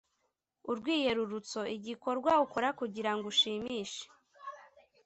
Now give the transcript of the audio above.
urwiyerurutso: igikorwa ukora kugira ngo ushimishe